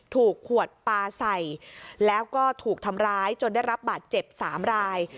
ถูกขวดปลาใส่แล้วก็ถูกทำร้ายจนได้รับบาดเจ็บ๓ราย